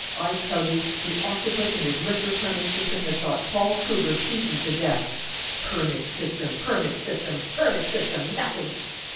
I tell you the Octopus and his liquor permit system has got Paul Kruger beaten to death. Permit system! permit system! permit system! nothing!